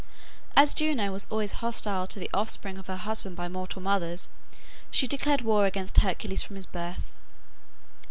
As Juno was always hostile to the offspring of her husband by mortal mothers, she declared war against Hercules from his birth.